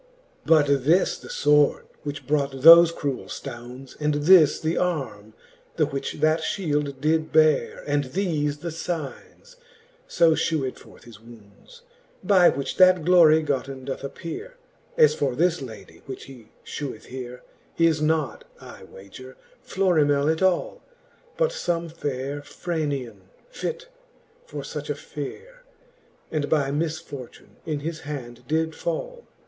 XXII. But this the fword, which wrought thofe cruell ftounds, And this the arme, the which that fhield did beare, And thefe the lignes, (fo fhewed forth his wounds) By which that glory gotten doth appeare. As for this ladie_, which he fheweth here, Is not, I wager, Florimell at all j But fome fayre Franion, fit for fuch a fere. That by misfortune in his hand did fall.